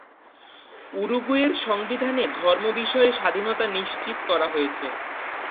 উরুগুয়ের সংবিধানে ধর্ম বিষয়ে স্বাধীনতা নিশ্চিত করা হয়েছে।